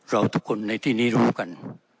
เราทุกคนในที่นี้รู้กัน